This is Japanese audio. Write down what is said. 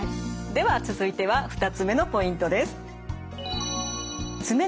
では続いては２つ目のポイントです。